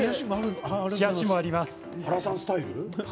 原さんスタイル？